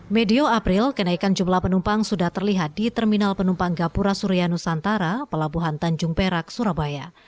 medio april kenaikan jumlah penumpang sudah terlihat di terminal penumpang gapura surya nusantara pelabuhan tanjung perak surabaya